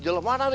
jalan mana ini